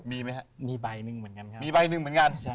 มีใบหนึ่งเหมือนกัน